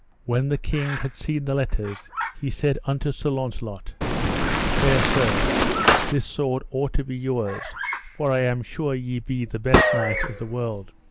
When the king had seen the letters, he said unto Sir Launcelot: Fair Sir, this sword ought to be yours, for I am sure ye be the best knight of the world.